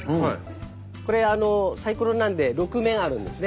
これサイコロなんで６面あるんですね。